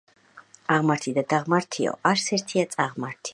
აღმართი და დაღმართიო, არც ერთია წაღმართიო